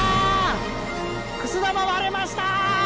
くす玉割れました！